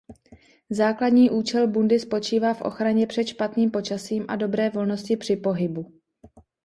Základní účel bundy spočívá v ochraně před špatným počasím a dobré volnosti při pohybu.